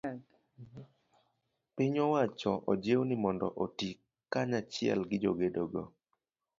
piny owacho ojiw ni mondo oti kanachiel gi jogedo go.